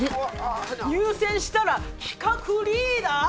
入選したら企画リーダー！？